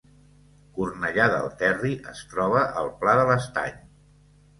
Cornellà del Terri es troba al Pla de l’Estany